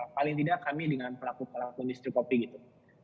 paling tidak kami dengan pelaku pelaku industri kopi gitu